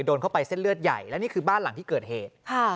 โดนเข้าไปเส้นเลือดใหญ่และนี่คือบ้านหลังที่เกิดเหตุ